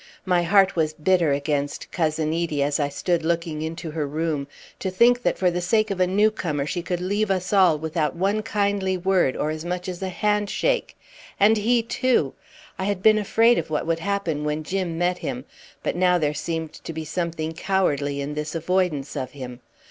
My heart was bitter against Cousin Edie as I stood looking into her room. To think that for the sake of a newcomer she could leave us all without one kindly word, or as much as a hand shake. And he, too! I had been afraid of what would happen when Jim met him; but now there seemed to be something cowardly in this avoidance of him.